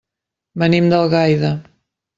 Venim d'Algaida.